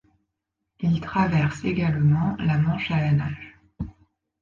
Il traverse également la Manche à la nage.